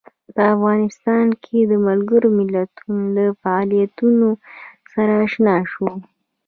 په افغانستان کې د ملګرو ملتونو له فعالیتونو سره آشنا شو.